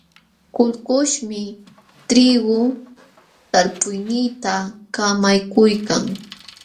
Kullkuśhmi triigu talpuyniita kamakaykuykan.